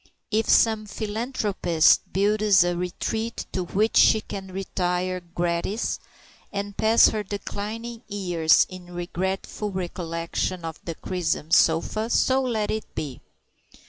If some philanthropist builds a retreat to which she can retire gratis, and pass her declining years in regretful recollection of the crimson sofa, so let it be.